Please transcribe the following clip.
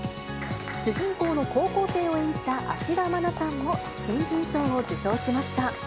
主人公の高校生を演じた芦田愛菜さんも新人賞を受賞しました。